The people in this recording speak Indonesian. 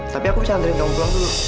tapi aku bisa andrein kamu pulang dulu